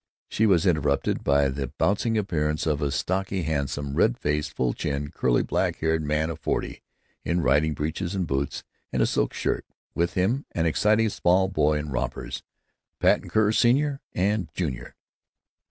She was interrupted by the bouncing appearance of a stocky, handsome, red faced, full chinned, curly black haired man of forty, in riding breeches and boots and a silk shirt; with him an excited small boy in rompers—Patton Kerr, Sr. and Jr.